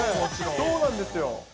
そうなんですよ。